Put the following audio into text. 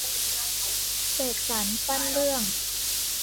เสกสรรปั้นเรื่อง